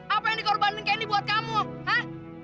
apa yang dikorbanin candy buat kamu hah